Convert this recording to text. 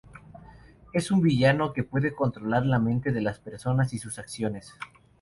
Es un villano que puede controlar la mente de las personas y sus acciones.